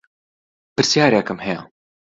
پرسیارێکم هەیە